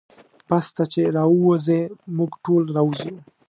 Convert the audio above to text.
بس ته چې راووځې موږ ټول راوځو.